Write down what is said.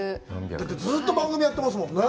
だって、ずうっと番組やってますもんね。